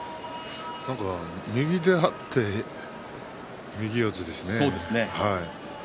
なんか右で張って右四つですね。